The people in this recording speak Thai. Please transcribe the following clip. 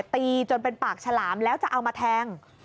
ตีจนเป็นปากฉลามแล้วจะเอามาแทง